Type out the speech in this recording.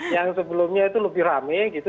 yang sebelumnya itu lebih rame gitu